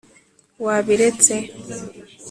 wabiretse